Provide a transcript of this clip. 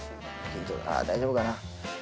ああ大丈夫かな？